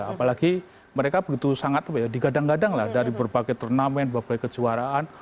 apalagi mereka begitu sangat digadang gadang lah dari berbagai turnamen berbagai kejuaraan